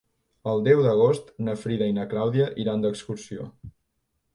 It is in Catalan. El deu d'agost na Frida i na Clàudia iran d'excursió.